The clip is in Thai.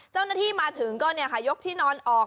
เจ้าหน้าที่มาถึงก็ยกที่นอนออก